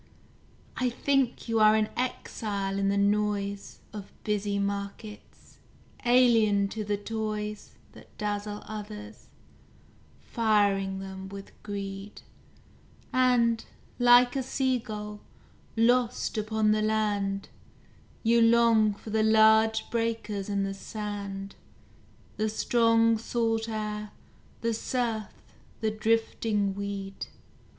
I think you are an exile in the noise Of busy markets; alien to the toys That dazzle others, firing them with greed; And, like a seagull, lost upon the land, You long for the large breakers and the sand, The strong salt air, the surf, the drifting weed.